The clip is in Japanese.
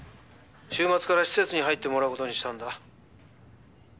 週末から施設に入ってもらうことにしたんだ。